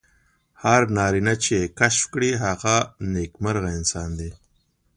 هر نارینه چې یې کشف کړي هغه نېکمرغه انسان دی.